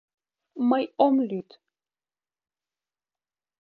— Мый ом лӱд!..